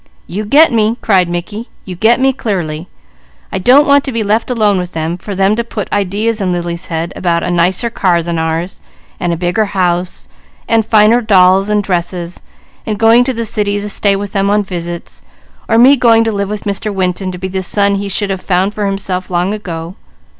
"You get me!" cried Mickey. "You get me clearly. I don't want to be left alone with them, for them to put ideas in Lily's head about a nicer car than ours, and a bigger house, and finer dolls and dresses, and going to the city to stay with them on visits; or me going to live with Mr. Winton, to be the son he should have found for himself long ago.